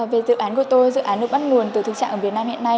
về dự án của tôi dự án được bắt nguồn từ thực trạng ở việt nam hiện nay